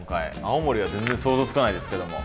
青森は全然想像つかないですけども。